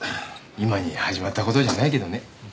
今に始まった事じゃないけどね。